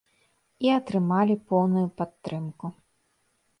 І атрымалі поўную падтрымку.